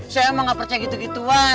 saya emang gak percaya gitu gituan